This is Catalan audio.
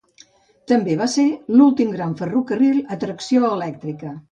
També va ser l'últim gran ferrocarril a tracció elèctrica.